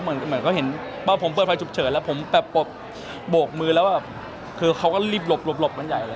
เพราะว่าผมเปิดฝ่ายจุบเฉินแล้วผมแบบโปรกมือแล้วคือเขาก็รีบหลบมันใหญ่เลย